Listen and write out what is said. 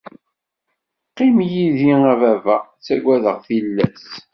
Qqim yid-i a baba! Ttagadeɣ tillas.